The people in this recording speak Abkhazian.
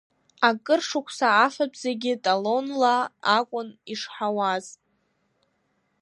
Акыр шықәса афатә зегьы талонла акәын ишҳауаз.